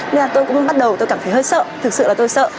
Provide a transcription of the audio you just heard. nên là tôi cũng bắt đầu tôi cảm thấy hơi sợ thực sự là tôi sợ